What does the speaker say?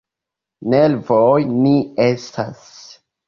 Nervoj ni estas.